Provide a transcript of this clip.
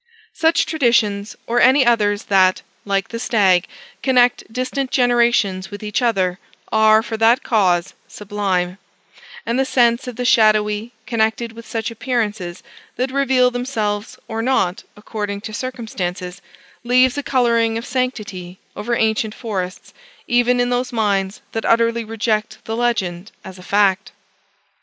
Such traditions, or any others that (like the stag) connect distant generations with each other, are, for that cause, sublime; and the sense of the shadowy, connected with such appearances that reveal themselves or not according to circumstances, leaves a coloring of sanctity over ancient forests, even in those minds that utterly reject the legend as a fact.